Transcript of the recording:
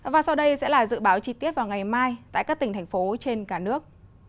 và sau đây sẽ là dự báo chi tiết vào ngày mai tại các tỉnh thành phố trên cả nước